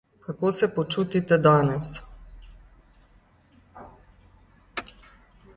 Kako se počutite danes?